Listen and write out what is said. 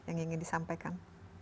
yang ingin disampaikan